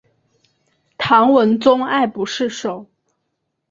唐文宗爱不释手。